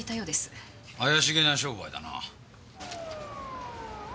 怪しげな商売だな。